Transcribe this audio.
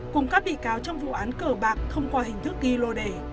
cùng các bị cáo trong vụ án cờ bạc thông qua hình thức ghi lô đề